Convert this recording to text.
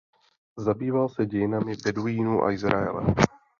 Zabýval se dějinami beduínů a Izraele.